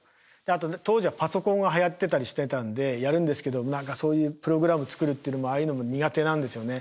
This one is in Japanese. あと当時はパソコンがはやってたりしてたんでやるんですけど何かそういうプログラム作るっていうのもああいうのも苦手なんですよね。